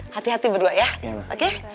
hati hati berdua ya oke